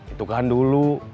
itu kan dulu